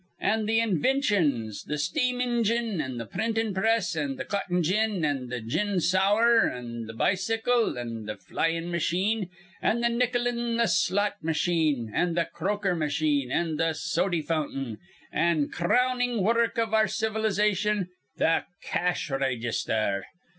An' th' invintions, th' steam injine an' th' printin' press an' th' cotton gin an' the gin sour an' th' bicycle an' th' flyin' machine an' th' nickel in th' slot machine an' th' Croker machine an' th' sody fountain an' crownin' wurruk iv our civilization th' cash raygisther.